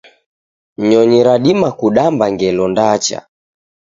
Nyonyi radima kudamba ngelo ndacha